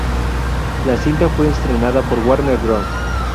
La cinta fue estrenada por Warner Bros.